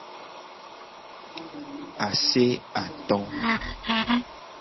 Ase ato.